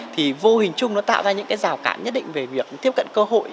thì vô hình chung nó tạo ra những cái rào cản nhất định về việc tiếp cận cơ hội